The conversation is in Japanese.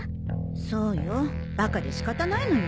そうよバカで仕方ないのよ